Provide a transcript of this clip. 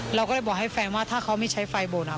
เราก็เลยบอกให้แฟนว่าถ้าเขาไม่ใช้ไฟบนอ่ะ